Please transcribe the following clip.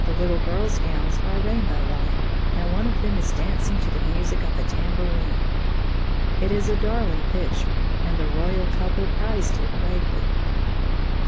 The little girls' gowns are rainbow like, and one of them is dancing to the music of a tambourine. It is a darling picture, and the royal couple prized it greatly.